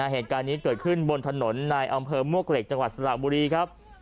เหตุการณ์นี้เกิดขึ้นบนถนนในอำเภอมวกเหล็กจังหวัดสระบุรีครับ